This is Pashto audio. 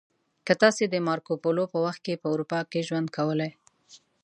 که تاسې د مارکو پولو په وخت کې په اروپا کې ژوند کولی